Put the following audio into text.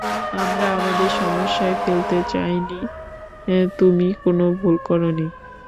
আমরা আমাদের সমস্যায় ফেলতে চাইনি তুমি কোনো ভুল করোনি।